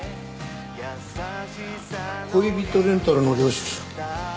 恋人レンタルの領収書。